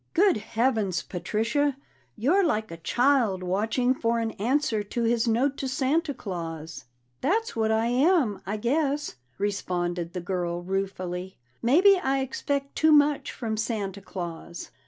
"Good Heavens, Patricia! You're like a child watching for an answer to his note to Santa Claus!" "That's what I am, I guess," responded the girl ruefully. "Maybe I expect too much from Santa Claus."